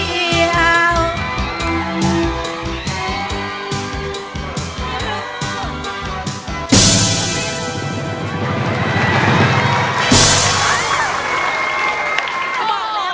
เดียวจริงจริง